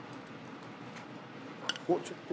おっちょっと。